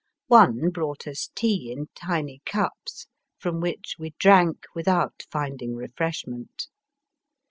One brought us tea in tiny cups, from which we drank without finding refreshment.